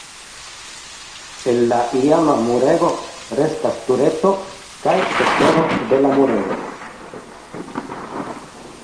El la iama murego restas tureto kaj sektoro de la murego.